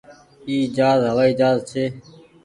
اي جهآز هوآئي جهآز ڇي۔